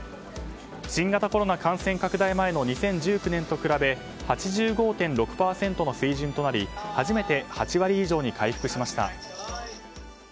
新型コロナ感染拡大前の２０１９年と比べ８５．６％の水準となり初めて８割以上に回復しました。